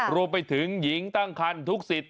รวมไปถึงหญิงตั้งครรภ์ทุกศิษย์